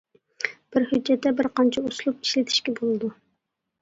بىر ھۆججەتتە بىر قانچە ئۇسلۇب ئىشلىتىشكە بولىدۇ.